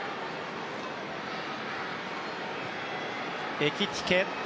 エキティケ。